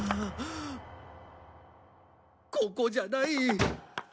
ここじゃない。